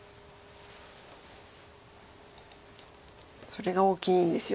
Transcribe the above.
それが大きいんですよね。